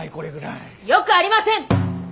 よくありません！